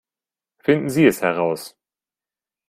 Finden Sie es heraus